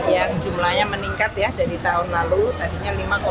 yang jumlahnya meningkat ya dari tahun lalu tadinya lima lima ke enam enam